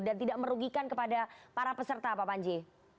dan tidak merugikan kepada para peserta pak panji